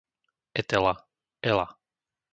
Etela, Ela